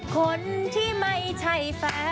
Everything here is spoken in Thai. คนที่ไม่ใช่แฟน